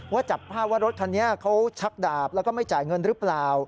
จับภาพว่ารถคันนี้เขาชักดาบแล้วก็ไม่จ่ายเงินหรือเปล่า